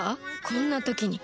こんな時に。